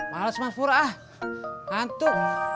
males mas pura ah hantu